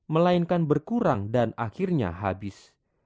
melainkan berkurang dan akhirnya habis